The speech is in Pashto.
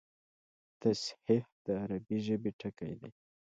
تصحیح د عربي ژبي ټکی دﺉ.